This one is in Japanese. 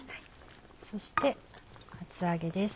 そして厚揚げです。